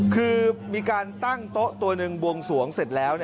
คือมีการตั้งโต๊ะตัวหนึ่งบวงสวงเสร็จแล้ว